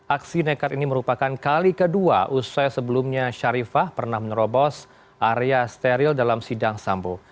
aksi nekat ini merupakan kali kedua usai sebelumnya sharifah pernah menerobos area steril dalam sidang sambo